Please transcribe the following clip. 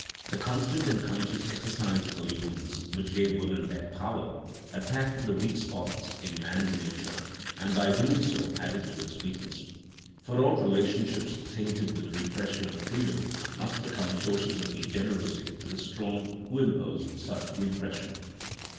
The constant and conscious exercise of allurements, which gave women their power, attacked the weak spots in man's nature, and by doing so added to its weakness. For all relationships tainted with repression of freedom must become sources of degeneracy to the strong who impose such repression.